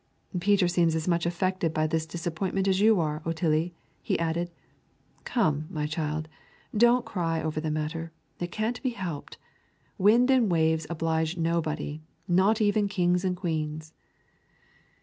"Peter seems as much afflicted by this disappointment as you are, Otillie," he added. "Come, my child, don't cry over the matter. It can't be helped. Wind and waves oblige nobody, not even kings and queens."